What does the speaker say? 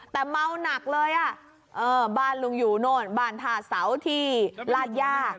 แต่เมาหนักเลยอ่ะเออบ้านลุงอยู่โน่นบ้านท่าเสาที่ลาดย่า